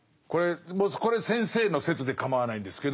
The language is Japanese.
これ先生の説で構わないんですけど